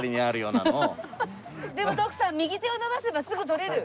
でも徳さん右手を伸ばせばすぐ取れる。